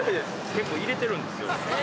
結構入れてるんですよ。